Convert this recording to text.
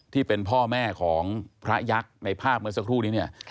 ที่เป็นพ่อแม่ของพระยักษ์ในภาพเมื่อสักครู่นี้เนี่ย